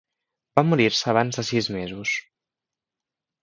Va morir-se abans de sis mesos.